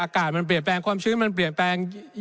อากาศมันเปลี่ยนแปลงความชื้นมันเปลี่ยนแปลง